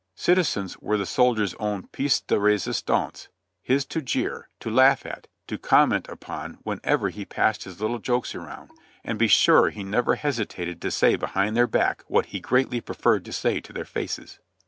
Citizens were the soldier's own piece de resistance, his to jeer, to laugh at, to com ment upon whenever he passed his little jokes around, and be sure he never hesitated to say behind their back what he greatly pre ferred to say to their faces.